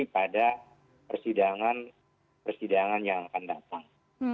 pada persidangan persidangan yang akan datang